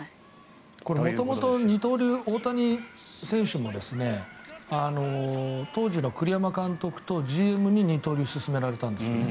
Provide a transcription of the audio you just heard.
元々、二刀流大谷選手も当時の栗山監督とＧＭに二刀流を勧められたんですね。